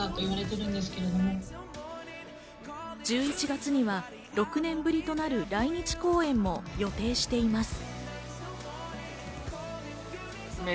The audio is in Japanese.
１１月には６年ぶりとなる来日公演も予定しています。